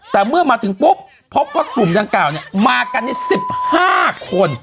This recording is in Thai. แต่เมื่อมาถึงปุ๊บพบว่ากลุ่มยังเก่าเนี่ยมากันได้สิบห้าคน